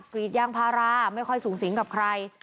กรีดยางพาราไม่ค่อยสูงสิงกับใคร